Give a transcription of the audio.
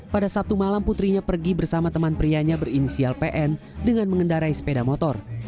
pada sabtu malam putrinya pergi bersama teman prianya berinisial pn dengan mengendarai sepeda motor